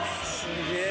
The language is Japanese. すげえ！